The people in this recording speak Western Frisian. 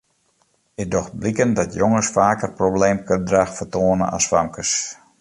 It docht bliken dat jonges faker probleemgedrach fertoane as famkes.